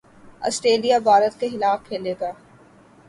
Australia Bharat کے خلاف کھیلے گا